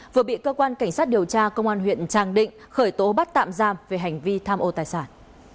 vừa bị cơ quan cảnh sát điều tra công an huyện tràng định khởi tố bắt tạm giam về hành vi tham ô tài sản